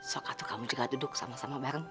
sok atuh kamu juga duduk sama sama bareng